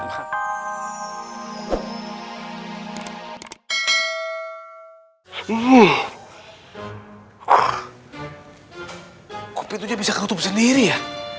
kok pintunya bisa kerutup sendiri ya